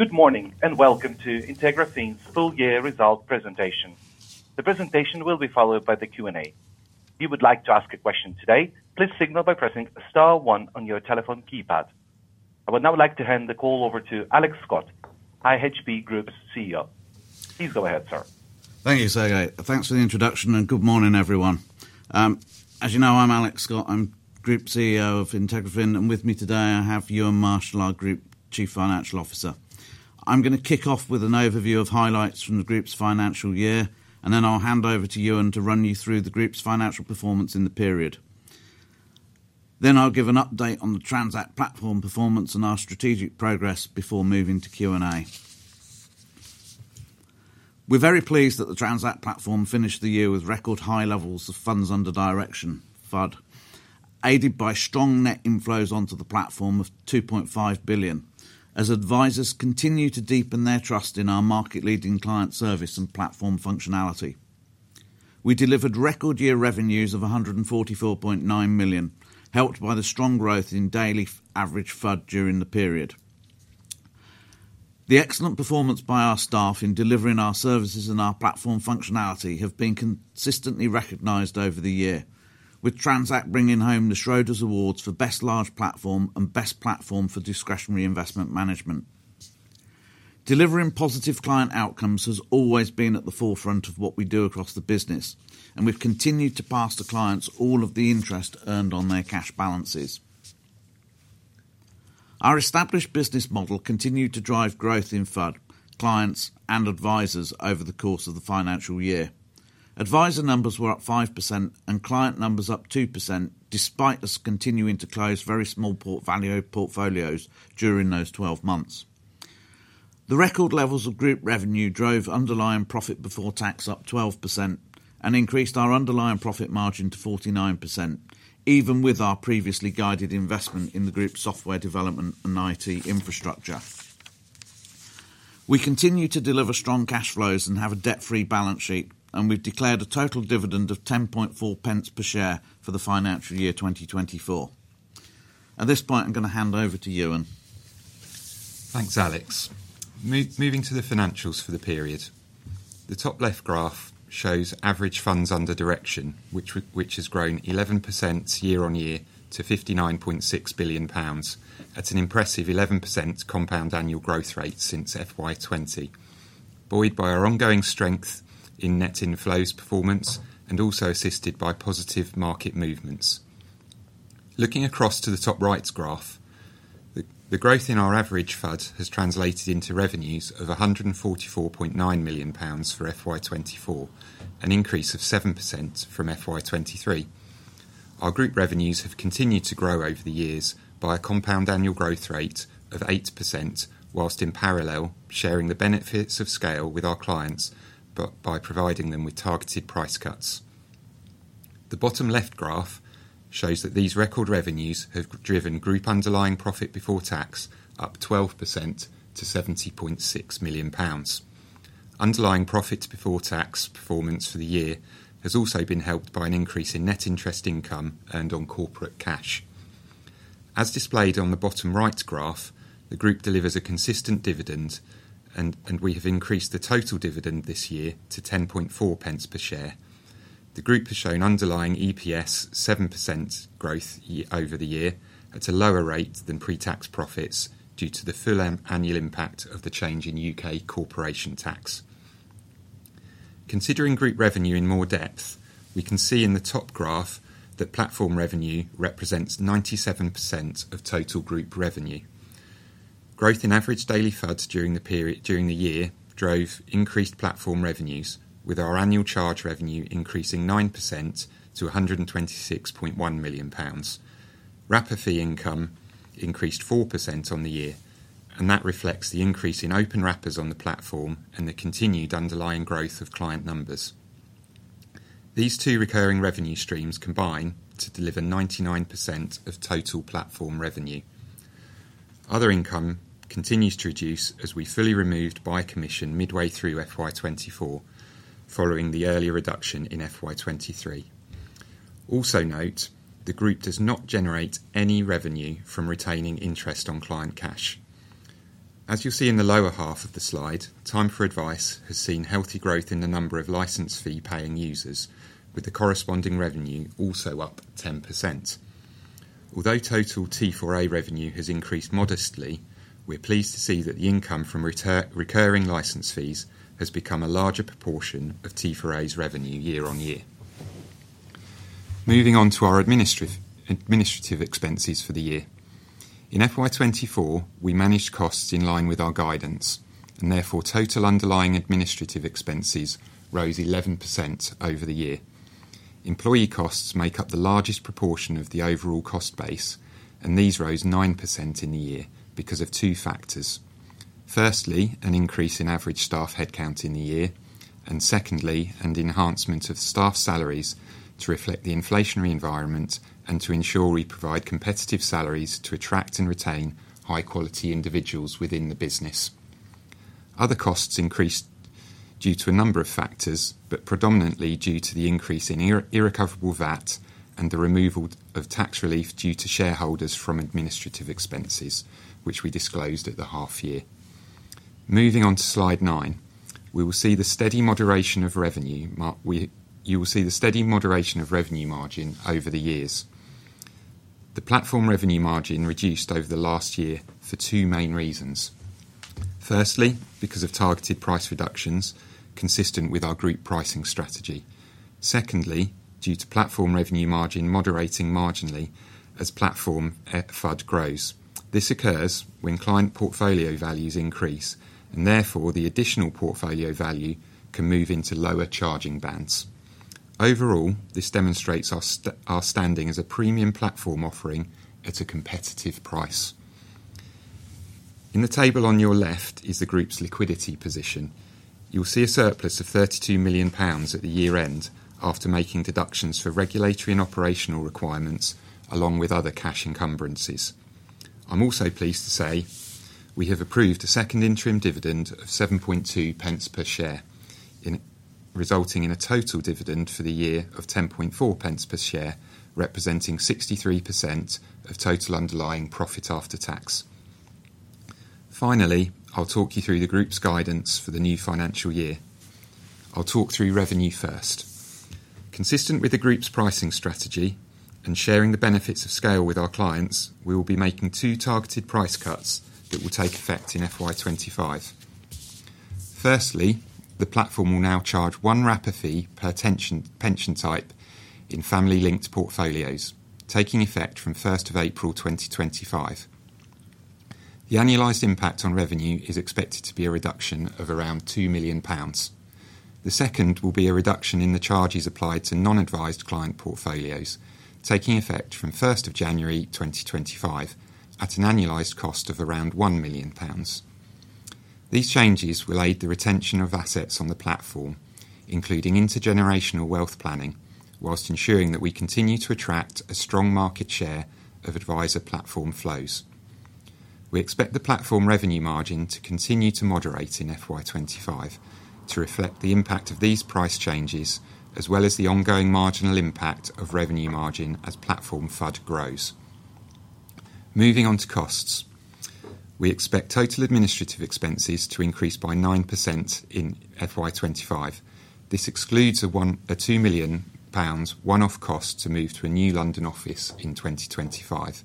Good morning, and welcome to IntegraFin's full-year result presentation. The presentation will be followed by the Q&A. If you would like to ask a question today, please signal by pressing the star one on your telephone keypad. I would now like to hand the call over to Alex Scott, IntegraFin Group's CEO. Please go ahead, sir. Thank you, Sergei. Thanks for the introduction, and good morning, everyone. As you know, I'm Alex Scott, I'm Group CEO of IntegraFin, and with me today I have Euan Marshall, our Group Chief Financial Officer. I'm going to kick off with an overview of highlights from the Group's financial year, and then I'll hand over to Euan to run you through the Group's financial performance in the period. Then I'll give an update on the Transact Platform performance and our strategic progress before moving to Q&A. We're very pleased that the Transact Platform finished the year with record high levels of funds under direction, FUD, aided by strong net inflows onto the platform of 2.5 billion, as advisors continue to deepen their trust in our market-leading client service and platform functionality. We delivered record year revenues of 144.9 million, helped by the strong growth in daily average FUD during the period. The excellent performance by our staff in delivering our services and our platform functionality has been consistently recognized over the year, with Transact bringing home the Schroders Awards for Best Large Platform and Best Platform for Discretionary Investment Management. Delivering positive client outcomes has always been at the forefront of what we do across the business, and we've continued to pass to clients all of the interest earned on their cash balances. Our established business model continued to drive growth in FUD, clients, and advisors over the course of the financial year. Adviser numbers were up 5% and client numbers up 2%, despite us continuing to close very small value portfolios during those 12 months. The record levels of group revenue drove underlying profit before tax up 12% and increased our underlying profit margin to 49%, even with our previously guided investment in the group's software development and IT infrastructure. We continue to deliver strong cash flows and have a debt-free balance sheet, and we've declared a total dividend of 10.4 pence per share for the financial year 2024. At this point, I'm going to hand over to Euan. Thanks, Alex. Moving to the financials for the period. The top left graph shows average funds under direction, which has grown 11% year on year to 59.6 billion pounds, at an impressive 11% compound annual growth rate since FY20, buoyed by our ongoing strength in net inflows performance and also assisted by positive market movements. Looking across to the top right graph, the growth in our average FUD has translated into revenues of 144.9 million pounds for FY24, an increase of 7% from FY23. Our group revenues have continued to grow over the years by a compound annual growth rate of 8%, while in parallel sharing the benefits of scale with our clients by providing them with targeted price cuts. The bottom left graph shows that these record revenues have driven group underlying profit before tax up 12% to 70.6 million pounds. Underlying profit before tax performance for the year has also been helped by an increase in net interest income earned on corporate cash. As displayed on the bottom right graph, the group delivers a consistent dividend, and we have increased the total dividend this year to 0.104 per share. The group has shown underlying EPS 7% growth over the year at a lower rate than pre-tax profits due to the full annual impact of the change in UK corporation tax. Considering group revenue in more depth, we can see in the top graph that platform revenue represents 97% of total group revenue. Growth in average daily FUDs during the year drove increased platform revenues, with our annual charge revenue increasing 9% to 126.1 million pounds. Wrapper fee income increased 4% on the year, and that reflects the increase in open wrappers on the platform and the continued underlying growth of client numbers. These two recurring revenue streams combine to deliver 99% of total platform revenue. Other income continues to reduce as we fully removed buy commission midway through FY24, following the earlier reduction in FY23. Also note, the group does not generate any revenue from retaining interest on client cash. As you'll see in the lower half of the slide, Time4Advice has seen healthy growth in the number of license fee-paying users, with the corresponding revenue also up 10%. Although total T4A revenue has increased modestly, we're pleased to see that the income from recurring license fees has become a larger proportion of T4A's revenue year on year. Moving on to our administrative expenses for the year. In FY24, we managed costs in line with our guidance, and therefore total underlying administrative expenses rose 11% over the year. Employee costs make up the largest proportion of the overall cost base, and these rose 9% in the year because of two factors. Firstly, an increase in average staff headcount in the year, and secondly, an enhancement of staff salaries to reflect the inflationary environment and to ensure we provide competitive salaries to attract and retain high-quality individuals within the business. Other costs increased due to a number of factors, but predominantly due to the increase in irrecoverable VAT and the removal of tax relief due to shareholders from administrative expenses, which we disclosed at the half-year. Moving on to slide nine, we will see the steady moderation of revenue margin over the years. The platform revenue margin reduced over the last year for two main reasons. Firstly, because of targeted price reductions consistent with our group pricing strategy. Secondly, due to platform revenue margin moderating marginally as platform FUD grows. This occurs when client portfolio values increase, and therefore the additional portfolio value can move into lower charging bands. Overall, this demonstrates our standing as a premium platform offering at a competitive price. In the table on your left is the group's liquidity position. You'll see a surplus of 32 million pounds at the year-end after making deductions for regulatory and operational requirements, along with other cash encumbrances. I'm also pleased to say we have approved a second interim dividend of 7.2 pence per share, resulting in a total dividend for the year of 10.4 pence per share, representing 63% of total underlying profit after tax. Finally, I'll talk you through the group's guidance for the new financial year. I'll talk through revenue first. Consistent with the group's pricing strategy and sharing the benefits of scale with our clients, we will be making two targeted price cuts that will take effect in FY25. Firstly, the platform will now charge one wrapper fee per pension type in family-linked portfolios, taking effect from 1 April 2025. The annualized impact on revenue is expected to be a reduction of around 2 million pounds. The second will be a reduction in the charges applied to non-advised client portfolios, taking effect from 1 January 2025 at an annualized cost of around 1 million pounds. These changes will aid the retention of assets on the platform, including intergenerational wealth planning, while ensuring that we continue to attract a strong market share of advisor platform flows. We expect the platform revenue margin to continue to moderate in FY25 to reflect the impact of these price changes, as well as the ongoing marginal impact of revenue margin as platform FUD grows. Moving on to costs, we expect total administrative expenses to increase by 9% in FY25. This excludes a 2 million pounds one-off cost to move to a new London office in 2025.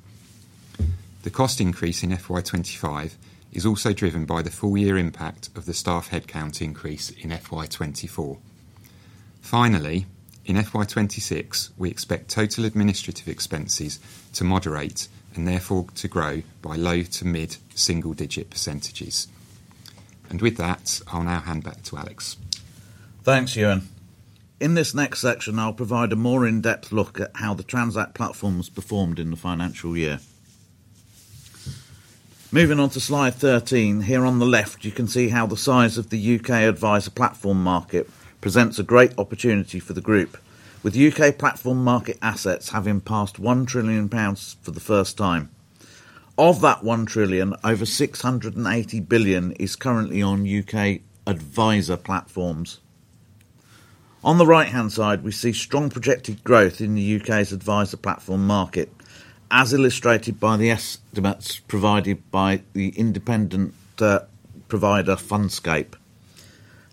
The cost increase in FY25 is also driven by the full-year impact of the staff headcount increase in FY24. Finally, in FY26, we expect total administrative expenses to moderate and therefore to grow by low to mid single-digit percentages. And with that, I'll now hand back to Alex. Thanks, Euan. In this next section, I'll provide a more in-depth look at how the Transact Platform has performed in the financial year. Moving on to slide 13, here on the left, you can see how the size of the U.K. advisor platform market presents a great opportunity for the group, with U.K. platform market assets having passed 1 trillion pounds for the first time. Of that 1 trillion, over 680 billion is currently on U.K. advisor platforms. On the right-hand side, we see strong projected growth in the U.K.'s advisor platform market, as illustrated by the estimates provided by the independent provider Fundscape.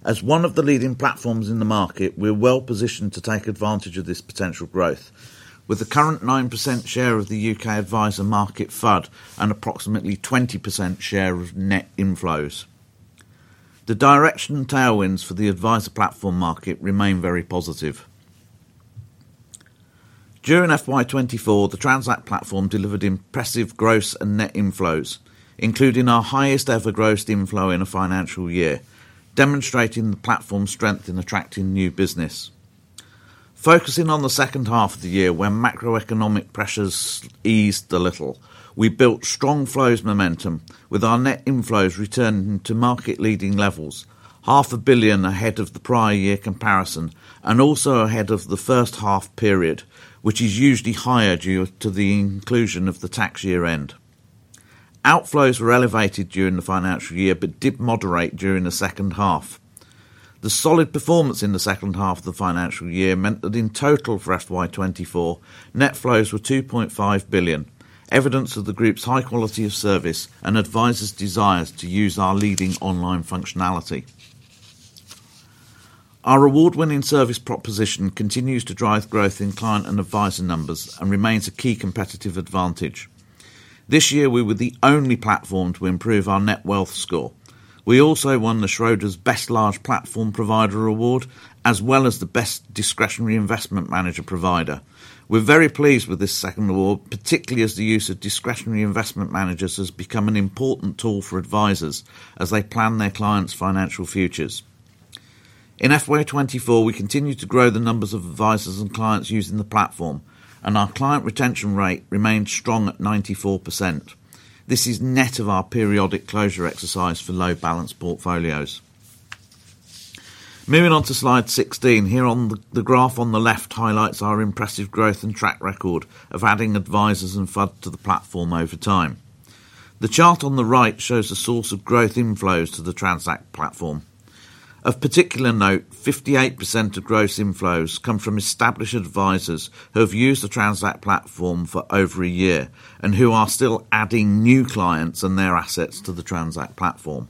As one of the leading platforms in the market, we're well positioned to take advantage of this potential growth, with the current 9% share of the U.K. advisor market FUD and approximately 20% share of net inflows. The direction and tailwinds for the advisor platform market remain very positive. During FY24, the Transact Platform delivered impressive gross and net inflows, including our highest-ever gross inflow in a financial year, demonstrating the platform's strength in attracting new business. Focusing on the second half of the year, when macroeconomic pressures eased a little, we built strong flows momentum, with our net inflows returning to market-leading levels, 500 million ahead of the prior year comparison and also ahead of the first half period, which is usually higher due to the inclusion of the tax year end. Outflows were elevated during the financial year but did moderate during the second half. The solid performance in the second half of the financial year meant that in total for FY24, net flows were GBP 2.5 billion, evidence of the group's high quality of service and advisors' desires to use our leading online functionality. Our award-winning service proposition continues to drive growth in client and advisor numbers and remains a key competitive advantage. This year, we were the only platform to improve our net wealth score. We also won the Schroders' Best Large Platform Provider Award, as well as the Best Discretionary Investment Manager Provider. We're very pleased with this second award, particularly as the use of Discretionary Investment Managers has become an important tool for advisors as they plan their clients' financial futures. In FY24, we continue to grow the numbers of advisors and clients using the platform, and our client retention rate remains strong at 94%. This is net of our periodic closure exercise for low-balance portfolios. Moving on to slide 16, here on the graph on the left highlights our impressive growth and track record of adding advisors and FUD to the platform over time. The chart on the right shows the source of gross inflows to the Transact Platform. Of particular note, 58% of gross inflows come from established advisors who have used the Transact Platform for over a year and who are still adding new clients and their assets to the Transact Platform.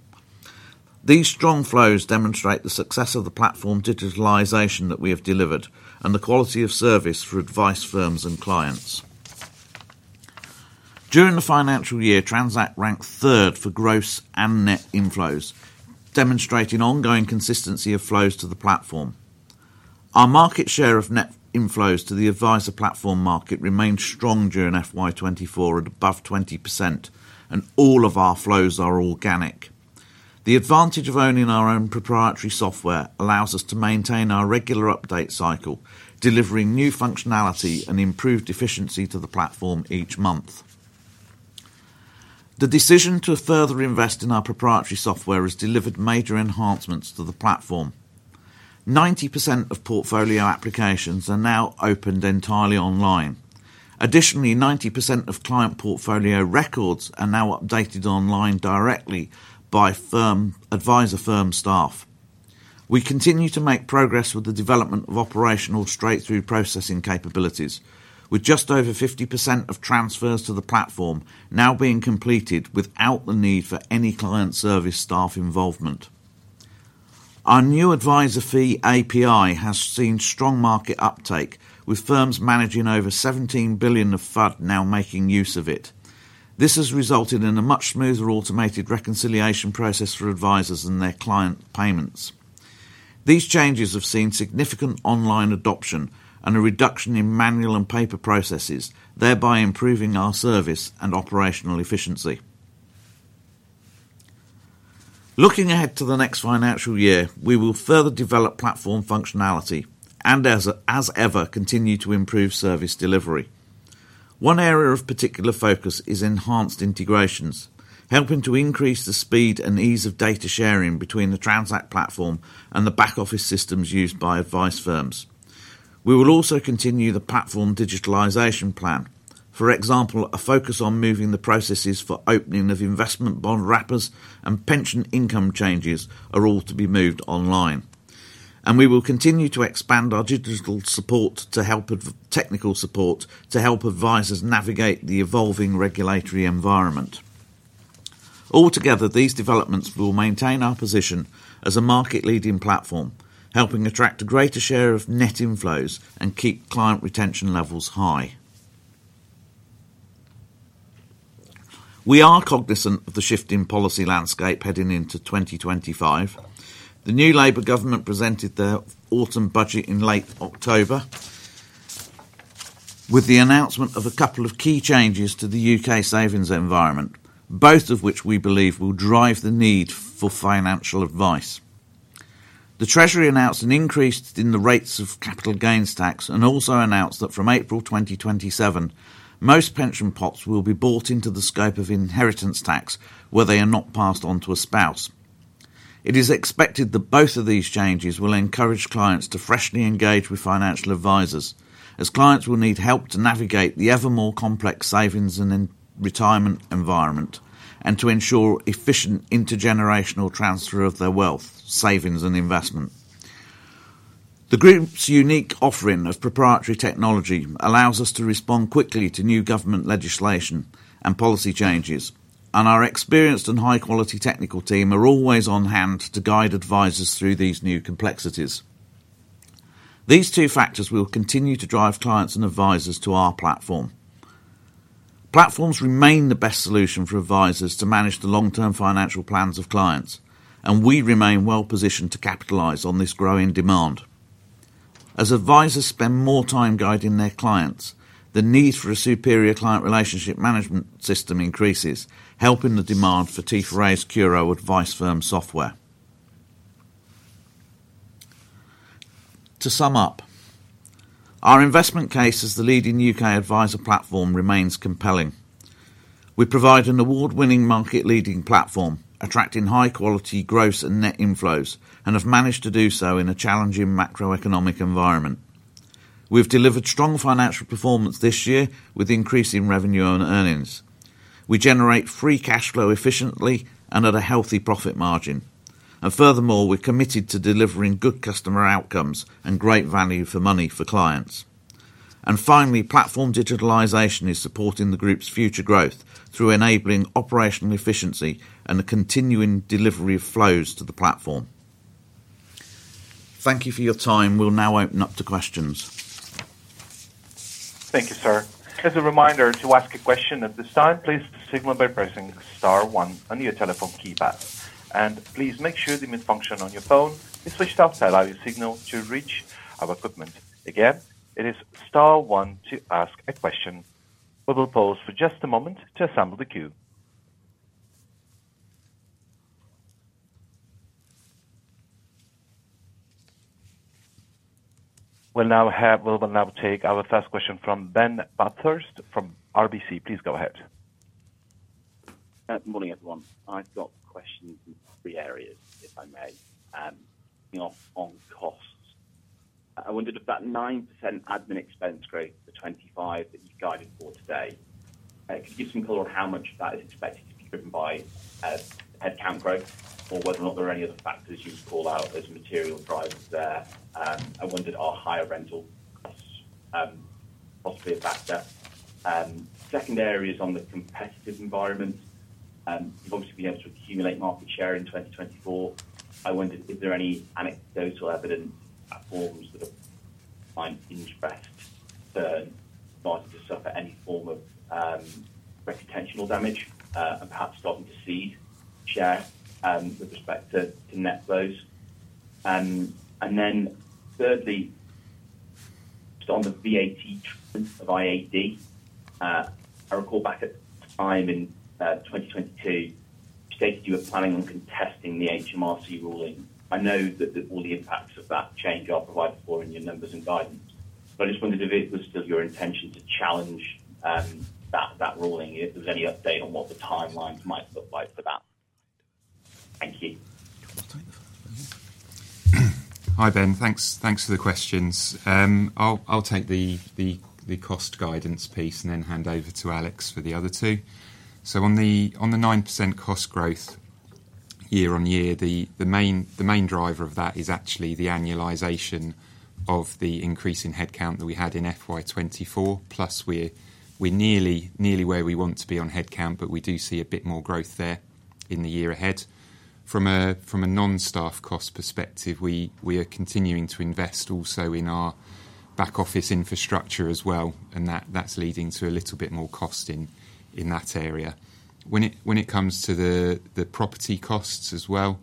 These strong flows demonstrate the success of the platform digitalization that we have delivered and the quality of service for advice firms and clients. During the financial year, Transact ranked third for gross and net inflows, demonstrating ongoing consistency of flows to the platform. Our market share of net inflows to the advisor platform market remained strong during FY24 at above 20%, and all of our flows are organic. The advantage of owning our own proprietary software allows us to maintain our regular update cycle, delivering new functionality and improved efficiency to the platform each month. The decision to further invest in our proprietary software has delivered major enhancements to the platform. 90% of portfolio applications are now opened entirely online. Additionally, 90% of client portfolio records are now updated online directly by advisor firm staff. We continue to make progress with the development of operational straight-through processing capabilities, with just over 50% of transfers to the platform now being completed without the need for any client service staff involvement. Our new Adviser Fee API has seen strong market uptake, with firms managing over 17 billion of FUD now making use of it. This has resulted in a much smoother automated reconciliation process for advisors and their client payments. These changes have seen significant online adoption and a reduction in manual and paper processes, thereby improving our service and operational efficiency. Looking ahead to the next financial year, we will further develop platform functionality and, as ever, continue to improve service delivery. One area of particular focus is enhanced integrations, helping to increase the speed and ease of data sharing between the Transact Platform and the back-office systems used by advice firms. We will also continue the platform digitalization plan. For example, a focus on moving the processes for opening of investment bond wrappers and pension income changes are all to be moved online, and we will continue to expand our digital support to help, technical support to help advisors navigate the evolving regulatory environment. Altogether, these developments will maintain our position as a market-leading platform, helping attract a greater share of net inflows and keep client retention levels high. We are cognizant of the shift in policy landscape heading into 2025. The new Labour government presented their Autumn Budget in late October with the announcement of a couple of key changes to the U.K. savings environment, both of which we believe will drive the need for financial advice. The Treasury announced an increase in the rates of capital gains tax and also announced that from April 2027, most pension pots will be brought into the scope of inheritance tax where they are not passed on to a spouse. It is expected that both of these changes will encourage clients to freshly engage with financial advisors, as clients will need help to navigate the ever-more complex savings and retirement environment and to ensure efficient intergenerational transfer of their wealth, savings, and investment. The group's unique offering of proprietary technology allows us to respond quickly to new government legislation and policy changes, and our experienced and high-quality technical team are always on hand to guide advisors through these new complexities. These two factors will continue to drive clients and advisors to our platform. Platforms remain the best solution for advisors to manage the long-term financial plans of clients, and we remain well positioned to capitalize on this growing demand. As advisors spend more time guiding their clients, the need for a superior client relationship management system increases, helping the demand for T4A's CURO Advice Firm software. To sum up, our investment case as the leading U.K. advisor platform remains compelling. We provide an award-winning market-leading platform, attracting high-quality gross and net inflows, and have managed to do so in a challenging macroeconomic environment. We've delivered strong financial performance this year with increasing revenue and earnings. We generate free cash flow efficiently and at a healthy profit margin. And furthermore, we're committed to delivering good customer outcomes and great value for money for clients. And finally, platform digitalization is supporting the group's future growth through enabling operational efficiency and the continuing delivery of flows to the platform. Thank you for your time. We'll now open up to questions. Thank you, sir. As a reminder, to ask a question at this time, please signal by pressing Star 1 on your telephone keypad, and please make sure the main function on your phone is switched off to allow your signal to reach our equipment. Again, it is Star 1 to ask a question. We will pause for just a moment to assemble the queue. We'll now take our first question from Ben Bathurst from RBC. Please go ahead. Good morning, everyone. I've got questions in three areas, if I may. On costs, I wondered if that 9% admin expense growth for 2025 that you've guided for today, could you give some color on how much that is expected to be driven by headcount growth or whether or not there are any other factors you would call out as material drivers there? I wondered are higher rental costs possibly a factor? Secondary is on the competitive environment. You've obviously been able to accumulate market share in 2024. I wondered, is there any anecdotal evidence that firms that might enter the market to suffer any form of reputational damage and perhaps starting to cede share with respect to net flows? And then thirdly, on the VAT treatment of IFA, I recall back at the time in 2022, you stated you were planning on contesting the HMRC ruling. I know that all the impacts of that change are provided for in your numbers and guidance. But I just wondered if it was still your intention to challenge that ruling, if there was any update on what the timeline might look like for that. Thank you. Hi, Ben. Thanks for the questions. I'll take the cost guidance piece and then hand over to Alex for the other two. So on the 9% cost growth year on year, the main driver of that is actually the annualization of the increase in headcount that we had in FY24. Plus, we're nearly where we want to be on headcount, but we do see a bit more growth there in the year ahead. From a non-staff cost perspective, we are continuing to invest also in our back-office infrastructure as well, and that's leading to a little bit more cost in that area. When it comes to the property costs as well,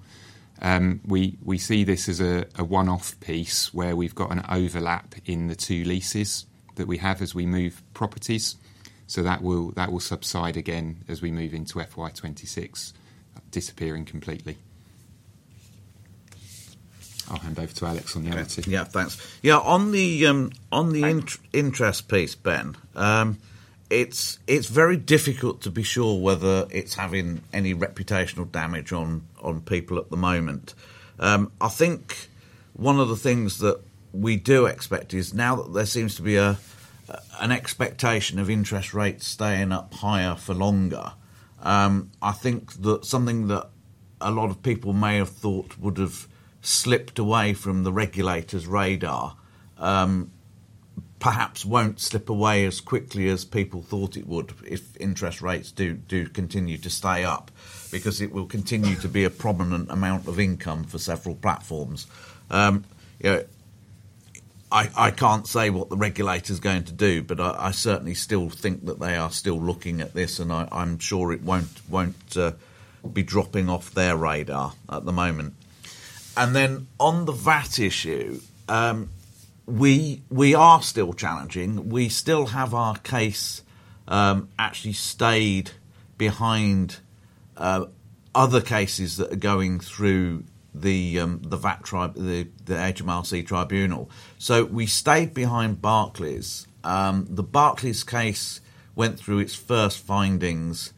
we see this as a one-off piece where we've got an overlap in the two leases that we have as we move properties. So that will subside again as we move into FY26, disappearing completely. I'll hand over to Alex on the other two. Yeah, thanks. Yeah, on the interest piece, Ben, it's very difficult to be sure whether it's having any reputational damage on people at the moment. I think one of the things that we do expect is now that there seems to be an expectation of interest rates staying up higher for longer. I think that something that a lot of people may have thought would have slipped away from the regulator's radar perhaps won't slip away as quickly as people thought it would if interest rates do continue to stay up because it will continue to be a prominent amount of income for several platforms. I can't say what the regulator is going to do, but I certainly still think that they are still looking at this, and I'm sure it won't be dropping off their radar at the moment. Then on the VAT issue, we are still challenging. We still have our case actually stayed behind other cases that are going through the HMRC Tribunal, so we stayed behind Barclays. The Barclays case went through its first findings,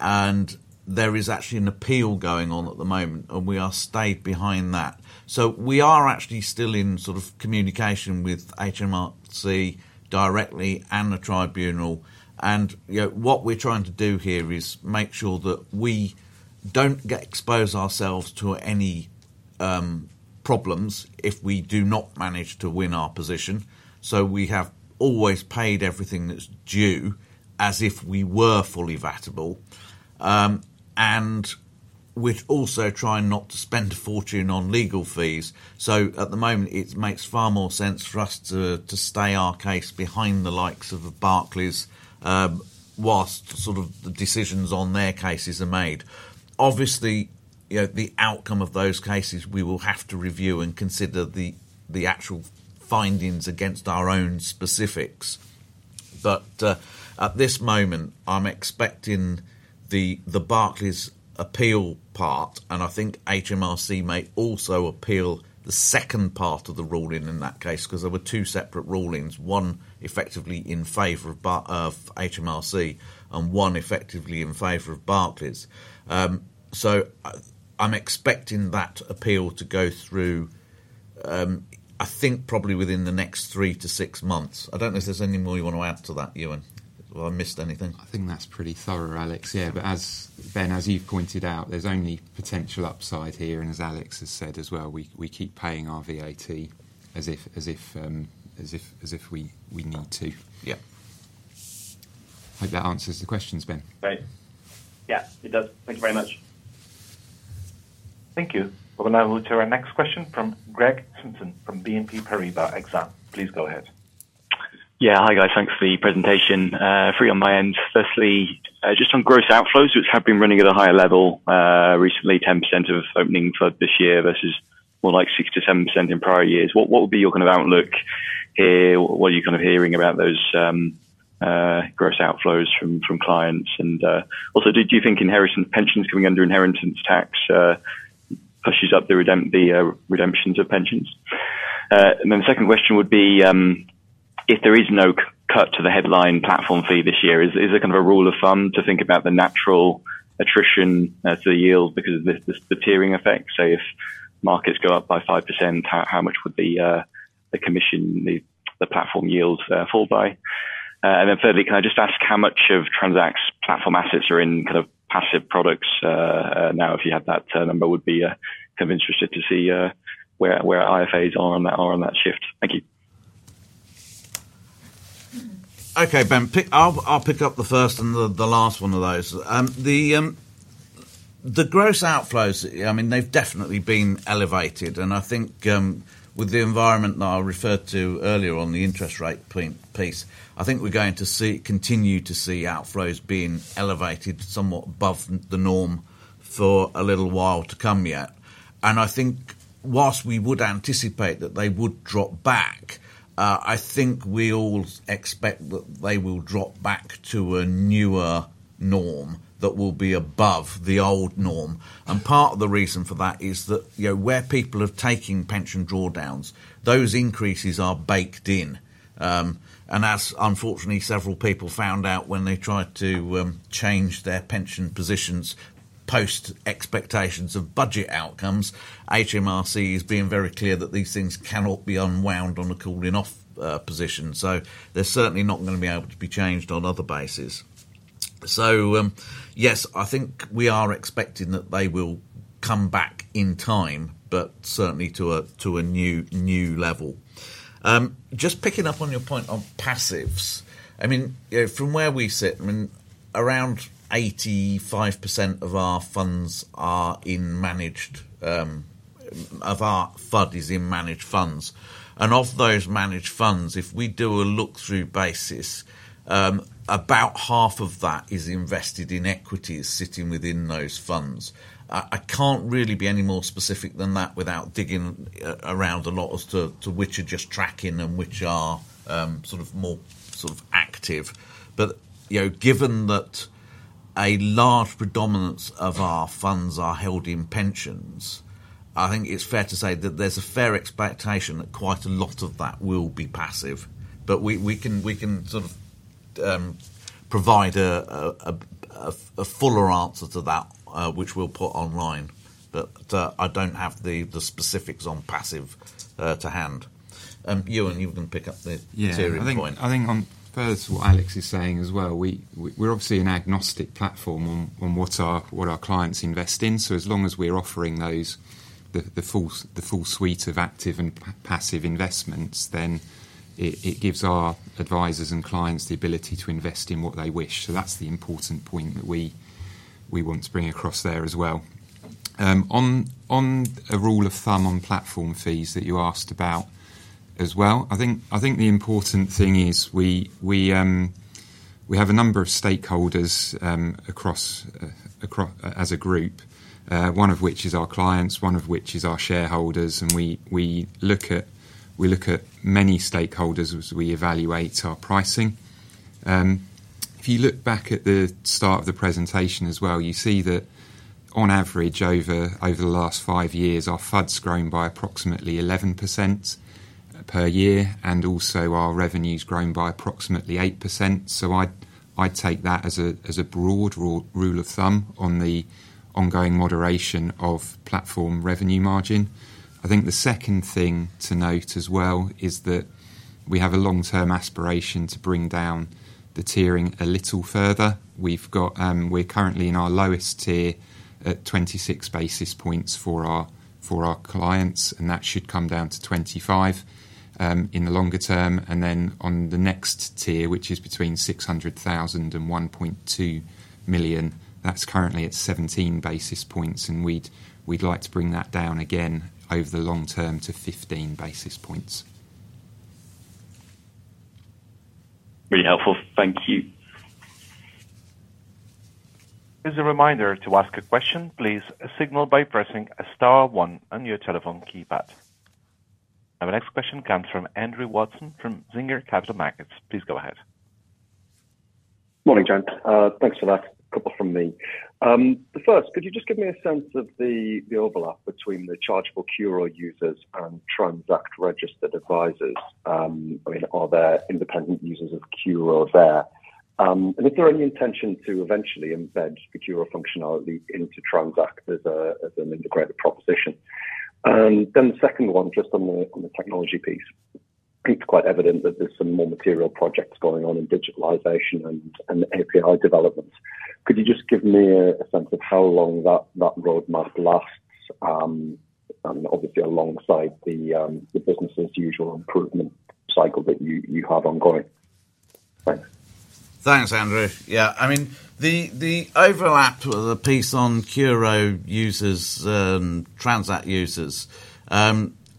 and there is actually an appeal going on at the moment, and we are stayed behind that, so we are actually still in sort of communication with HMRC directly and the Tribunal, and what we're trying to do here is make sure that we don't expose ourselves to any problems if we do not manage to win our position, so we have always paid everything that's due as if we were fully VAT-able and would also try not to spend a fortune on legal fees, so at the moment, it makes far more sense for us to stay our case behind the likes of Barclays whilst sort of the decisions on their cases are made. Obviously, the outcome of those cases, we will have to review and consider the actual findings against our own specifics. But at this moment, I'm expecting the Barclays appeal part, and I think HMRC may also appeal the second part of the ruling in that case because there were two separate rulings, one effectively in favor of HMRC and one effectively in favor of Barclays. So I'm expecting that appeal to go through, I think, probably within the next three-to-six months. I don't know if there's any more you want to add to that, Euan. Well, I missed anything? I think that's pretty thorough, Alex. Yeah, but Ben, as you've pointed out, there's only potential upside here. And as Alex has said as well, we keep paying our VAT as if we need to. Yeah. I hope that answers the questions, Ben. Great. Yeah, it does. Thank you very much. Thank you. We'll now move to our next question from Greg Simpson from BNP Paribas Exane. Please go ahead. Yeah, hi guys. Thanks for the presentation. Three on my end. Firstly, just on gross outflows, which have been running at a higher level recently, 10% of opening for this year versus more like 6%-7% in prior years. What would be your kind of outlook here? What are you kind of hearing about those gross outflows from clients? And also, do you think inheritance pensions coming under Inheritance Tax pushes up the redemptions of pensions? And then the second question would be if there is no cut to the headline platform fee this year, is there kind of a rule of thumb to think about the natural attrition to the yield because of the tiering effect? So if markets go up by 5%, how much would the commission, the platform yield fall by? And then thirdly, can I just ask how much of Transact's platform assets are in kind of passive products now? If you had that number, would be kind of interested to see where IFAs are on that shift. Thank you. Okay, Ben, I'll pick up the first and the last one of those. The gross outflows, I mean, they've definitely been elevated. And I think with the environment that I referred to earlier on, the interest rate piece, I think we're going to continue to see outflows being elevated somewhat above the norm for a little while to come yet. And I think while we would anticipate that they would drop back, I think we all expect that they will drop back to a newer norm that will be above the old norm. And part of the reason for that is that where people are taking pension drawdowns, those increases are baked in. And as unfortunately several people found out when they tried to change their pension positions post expectations of budget outcomes, HMRC has been very clear that these things cannot be unwound on a cooling-off position. So they're certainly not going to be able to be changed on other bases. So yes, I think we are expecting that they will come back in time, but certainly to a new level. Just picking up on your point on passives, I mean, from where we sit, around 85% of our FUD is in managed funds. And of those managed funds, if we do a look-through basis, about half of that is invested in equities sitting within those funds. I can't really be any more specific than that without digging around a lot as to which are just tracking and which are sort of more sort of active. But given that a large predominance of our funds are held in pensions, I think it's fair to say that there's a fair expectation that quite a lot of that will be passive. But we can sort of provide a fuller answer to that, which we'll put online. But I don't have the specifics on passive to hand. Euan, you can pick up the tiering point. I think on first, what Alex is saying as well, we're obviously an agnostic platform on what our clients invest in. So as long as we're offering the full suite of active and passive investments, then it gives our advisors and clients the ability to invest in what they wish. So that's the important point that we want to bring across there as well. On a rule of thumb on platform fees that you asked about as well, I think the important thing is we have a number of stakeholders as a group, one of which is our clients, one of which is our shareholders, and we look at many stakeholders as we evaluate our pricing. If you look back at the start of the presentation as well, you see that on average, over the last five years, our FUD's grown by approximately 11% per year and also our revenue's grown by approximately 8%. So I'd take that as a broad rule of thumb on the ongoing moderation of platform revenue margin. I think the second thing to note as well is that we have a long-term aspiration to bring down the tiering a little further. We're currently in our lowest tier at 26 basis points for our clients, and that should come down to 25 in the longer term. And then on the next tier, which is between 600,000 and 1.2 million, that's currently at 17 basis points. And we'd like to bring that down again over the long term to 15 basis points. Really helpful. Thank you. As a reminder to ask a question, please signal by pressing a star one on your telephone keypad. The next question comes from Andrew Watson from Singer Capital Markets. Please go ahead. Morning, John. Thanks for that. A couple from me. First, could you just give me a sense of the overlap between the chargeable CURO users and Transact-registered advisors? I mean, are there independent users of CURO there? And is there any intention to eventually embed the CURO functionality into Transact as an integrated proposition? Then the second one, just on the technology piece, it's quite evident that there's some more material projects going on in digitalization and API development. Could you just give me a sense of how long that roadmap lasts, obviously alongside the business-as-usual improvement cycle that you have ongoing? Thanks. Thanks, Andrew. Yeah, I mean, the overlap of the piece on CURO users and Transact users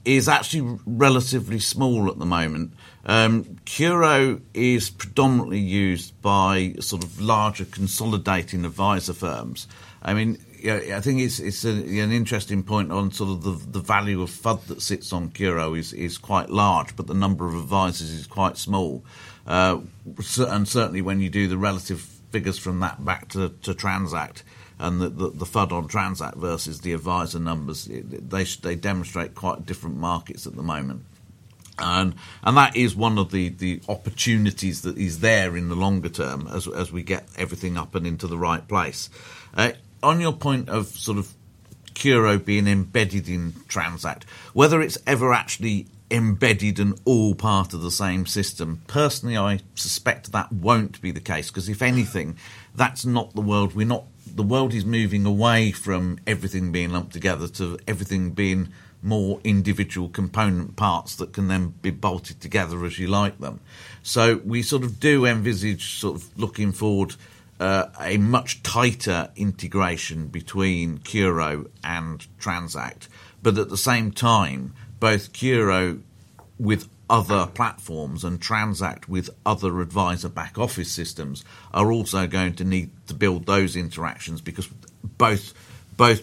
is actually relatively small at the moment. CURO is predominantly used by sort of larger consolidating advisor firms. I mean, I think it's an interesting point on sort of the value of FUD that sits on CURO is quite large, but the number of advisors is quite small. And certainly when you do the relative figures from that back to Transact and the FUD on Transact versus the advisor numbers, they demonstrate quite different markets at the moment. And that is one of the opportunities that is there in the longer term as we get everything up and into the right place. On your point of sort of CURO being embedded in Transact, whether it's ever actually embedded in all part of the same system, personally, I suspect that won't be the case. Because if anything, that's not the world. The world is moving away from everything being lumped together to everything being more individual component parts that can then be bolted together as you like them, so we sort of do envisage sort of looking forward a much tighter integration between CURO and Transact, but at the same time, both CURO with other platforms and Transact with other advisor back office systems are also going to need to build those interactions because both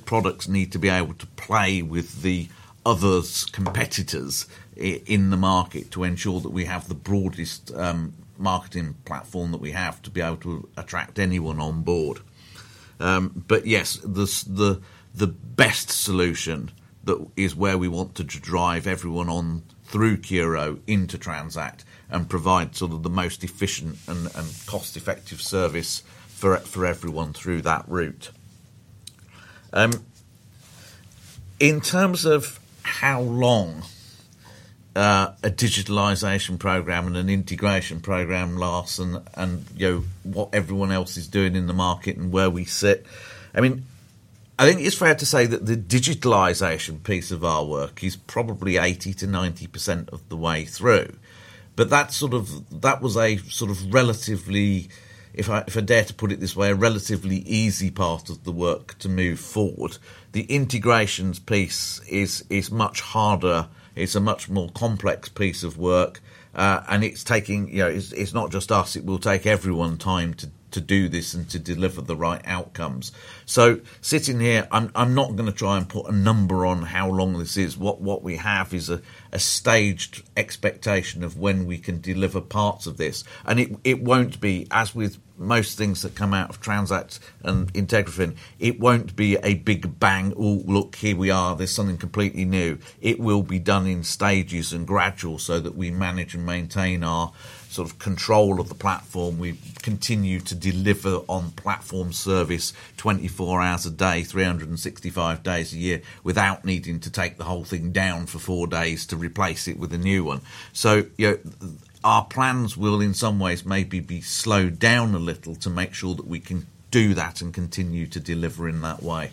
products need to be able to play with the other competitors in the market to ensure that we have the broadest marketing platform that we have to be able to attract anyone on board, but yes, the best solution is where we want to drive everyone on through CURO into Transact and provide sort of the most efficient and cost-effective service for everyone through that route. In terms of how long a digitalization program and an integration program lasts and what everyone else is doing in the market and where we sit, I mean, I think it's fair to say that the digitalization piece of our work is probably 80%-90% of the way through. But that was a sort of relatively, if I dare to put it this way, a relatively easy part of the work to move forward. The integrations piece is much harder. It's a much more complex piece of work. And it's taking, it's not just us. It will take everyone time to do this and to deliver the right outcomes. So sitting here, I'm not going to try and put a number on how long this is. What we have is a staged expectation of when we can deliver parts of this. And it won't be, as with most things that come out of Transact and IntegraFin, it won't be a big bang, "Oh, look, here we are. There's something completely new." It will be done in stages and gradual so that we manage and maintain our sort of control of the platform. We continue to deliver on platform service 24 hours a day, 365 days a year without needing to take the whole thing down for four days to replace it with a new one. So our plans will in some ways maybe be slowed down a little to make sure that we can do that and continue to deliver in that way.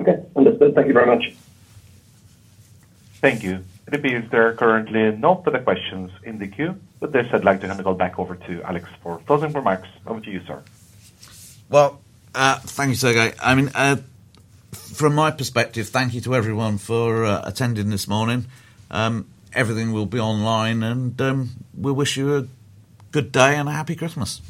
Okay. Understood. Thank you very much. Thank you. It appears there are currently no further questions in the queue. With this, I'd like to hand it back over to Alex for closing remarks. Over to you, sir. Thank you, Sergei. I mean, from my perspective, thank you to everyone for attending this morning. Everything will be online. We wish you a good day and a happy Christmas.